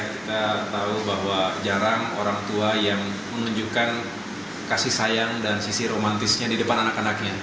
kita tahu bahwa jarang orang tua yang menunjukkan kasih sayang dan sisi romantisnya di depan anak anaknya